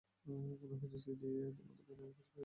মনে হচ্ছে সিআইএ তোমাদের ভ্যানের খোঁজ পেয়ে গেছে।